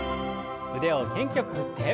腕を元気よく振って。